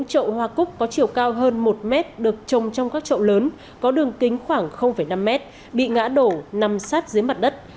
chậu cúc có chiều cao hơn một m được trồng trong các chậu lớn có đường kính khoảng năm m bị ngã đổ nằm sát dưới mặt đất